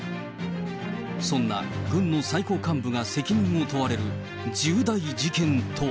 そんな軍の最高幹部が責任を問われる重大事件とは。